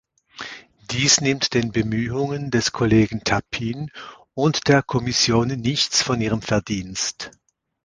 Dies nimmt den Bemühungen des Kollegen Tappin und der Kommission nichts von ihrem Verdienst.